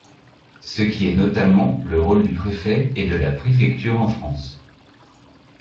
Ce qui est notamment le rôle du Préfet et de la Préfecture en France.